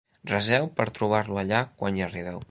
Reseu per trobar-lo allà quan hi arribeu.